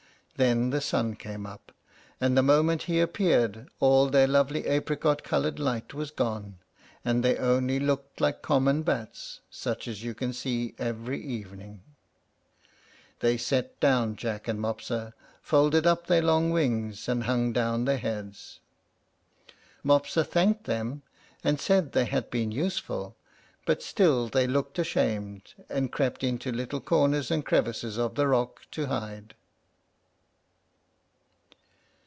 Then the sun came up; and the moment he appeared all their lovely apricot colored light was gone, and they only looked like common bats, such as you can see every evening. They set down Jack and Mopsa, folded up their long wings, and hung down their heads. Mopsa thanked them, and said they had been useful; but still they looked ashamed, and crept into little corners and crevices of the rock, to hide.